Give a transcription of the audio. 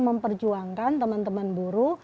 memperjuangkan teman teman buru